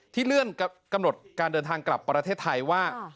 เลื่อนกำหนดการเดินทางกลับประเทศไทยว่า